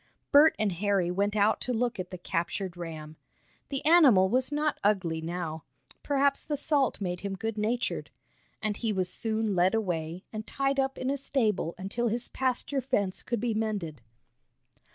Bert and Harry went out to look at the captured ram. The animal was not ugly now. Perhaps the salt made him good natured. And he was soon led away, and tied up in a stable until his pasture fence could be mended.